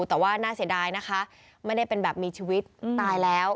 แต่ว่าน่าเสียดายนะคะไม่ได้เป็นแบบมีชีวิตตายแล้ว